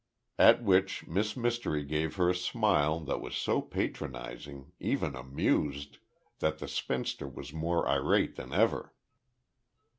At which Miss Mystery gave her a smile that was so patronizing, even amused, that the spinster was more irate than ever.